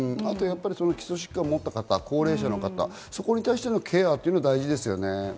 基礎疾患を持った方、高齢者の方、そこに対してのケアが大事ですよね。